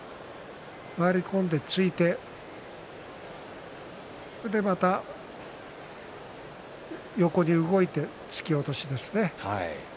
回り込んで突いてまた横に動いて突き落としですね。